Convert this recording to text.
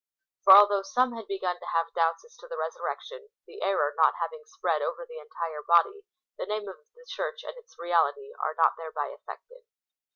J 'For although some had begun to have doubts as to the f^surrection, the error not having spread over the entire body, the name of the Church and its reality are not thereby affected.